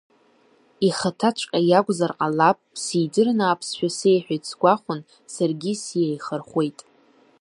Ихаҭаҵәҟьа иакәзар ҟалап, сидырны аԥсшәа сеиҳәеит сгәахәын, саргьы сиеихырхәеит.